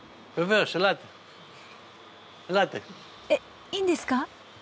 えっいいんですか？